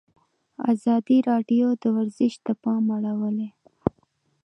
ازادي راډیو د ورزش ته پام اړولی.